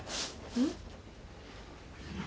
うん？